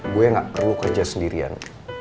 gue gak perlu kerja sendirian